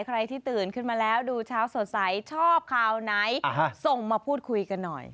ใครที่ตื่นขึ้นมาแล้วดูเช้าสดใสชอบข่าวไหนส่งมาพูดคุยกันหน่อย